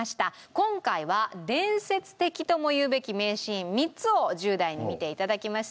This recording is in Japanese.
今回は伝説的とも言うべき名シーン３つを１０代に見て頂きました。